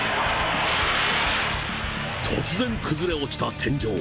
突然崩れ落ちた天井。